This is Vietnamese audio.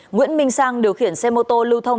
nguyễn minh sang điều khiển xe mô tô lưu thông